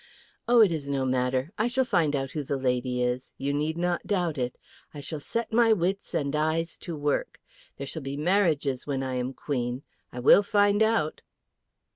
Oh, it is no matter. I shall find out who the lady is. You need not doubt it. I shall set my wits and eyes to work. There shall be marriages when I am Queen. I will find out!"